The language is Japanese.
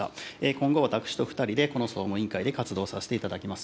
今後、私と２人で、この総務委員会で活動させていただきます。